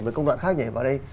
mới công đoạn khác nhảy vào đây